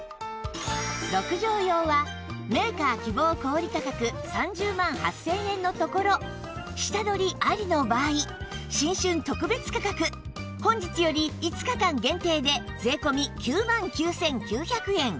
６畳用はメーカー希望小売価格３０万８０００円のところ下取りありの場合新春特別価格本日より５日間限定で税込９万９９００円